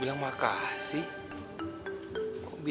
enggak ada strikebit